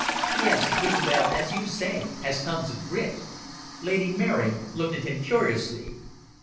"Yes, Isobel, as you say, has tons of grit." Lady Mary looked at him curiously.